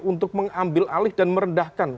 untuk mengambil alih dan merendahkan